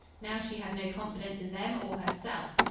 Now she had no confidence in them or herself.